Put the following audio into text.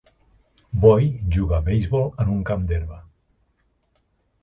Boy juga beisbol en un camp d'herba